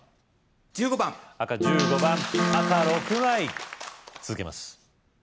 １５番赤１５番赤６枚続けます